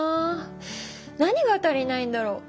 何が足りないんだろう？